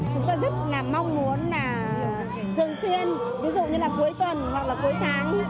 chúng tôi rất là mong muốn là thường xuyên ví dụ như là cuối tuần hoặc là cuối tháng